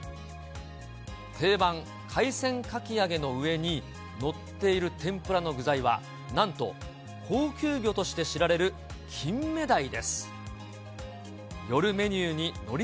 定番、海鮮かき揚げの上に載っている天ぷらの具材は、なんと、高級魚として知られるキンメダイです。